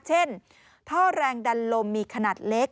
ท่อแรงดันลมมีขนาดเล็ก